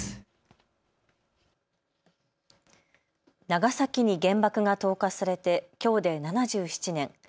長崎に原爆が投下されてきょうで７７年。